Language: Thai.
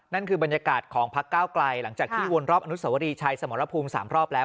นั่นคือบรรยากาศของพักเก้าไกลหลังจากที่วนรอบอนุสวรีชัยสมรภูมิ๓รอบแล้ว